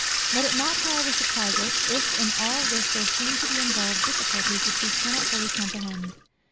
Let it not however surprise us, if in all this there seem to be involved difficulties which we cannot fully comprehend.